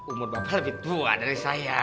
umur bapak lebih tua dari saya